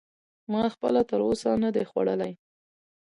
ما خپله تر اوسه نه دی خوړلی.